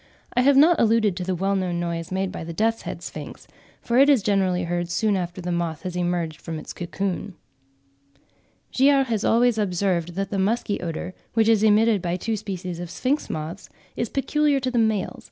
I have not alluded to the well known noise made by the Death's Head Sphinx, for it is generally heard soon after the moth has emerged from its cocoon. Giard has always observed that the musky odour, which is emitted by two species of Sphinx moths, is peculiar to the males (4. 'Zoological Record,' 1869, p.